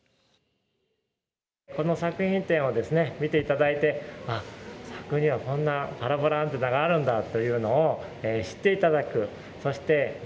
この作品展をですね見ていただいて佐久にはこんなパラボラアンテナがあるんだというのを知っていただく。